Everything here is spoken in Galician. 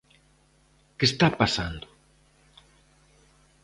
Que está pasando?